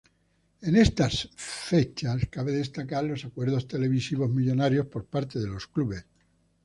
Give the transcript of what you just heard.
En estas fechas cabe destacar los acuerdos televisivos millonarios por parte de los clubes.